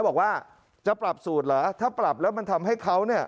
บอกว่าจะปรับสูตรเหรอถ้าปรับแล้วมันทำให้เขาเนี่ย